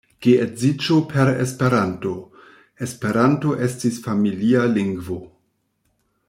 Geedziĝo per Esperanto; Esperanto estis familia lingvo.